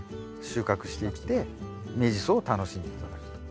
収穫していって芽ジソを楽しんで頂くと。